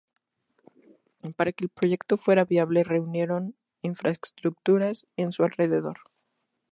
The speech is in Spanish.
Para que el proyecto fuera viable, reunieron infraestructuras en su alrededor.